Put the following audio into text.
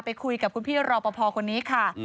ไปคุยกับคุณพี่รอปภคนนี้ค่ะ